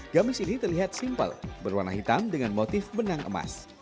gamis ini terlihat simple berwarna hitam dengan motif benang emas